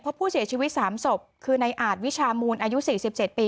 เพราะผู้เสียชีวิตสามศพคือในอาจวิชามูลอายุสี่สิบเจ็ดปี